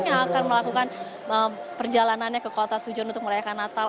yang akan melakukan perjalanannya ke kota tujuan untuk merayakan natal